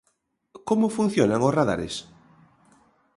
Como funcionan os radares?